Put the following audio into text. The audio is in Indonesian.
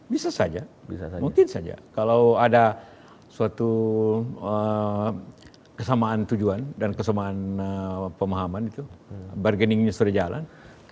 bisa saja mungkin saja kalau ada suatu kesamaan tujuan dan kesamaan pemahaman itu bargainingnya sudah jalan